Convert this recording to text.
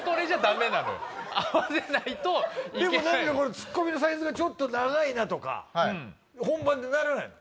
ツッコミのサイズがちょっと長いなとか本番でならないの？